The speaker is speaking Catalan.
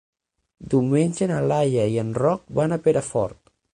Diumenge na Laia i en Roc van a Perafort.